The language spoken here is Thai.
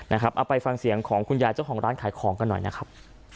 เอาไปฟังเสียงของคุณยายเจ้าของร้านขายของกันหน่อยนะครับ